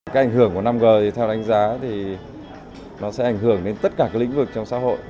cái ảnh hưởng của năm g thì theo đánh giá thì nó sẽ ảnh hưởng đến tất cả các lĩnh vực trong xã hội